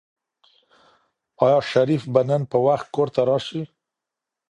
آیا شریف به نن په وخت کور ته راشي؟